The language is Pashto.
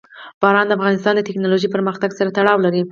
باران د افغانستان د تکنالوژۍ پرمختګ سره تړاو لري.